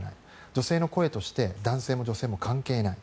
女性の声として男性も女性も関係ない。